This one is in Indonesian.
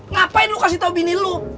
ngapain lu kasih tau bini lu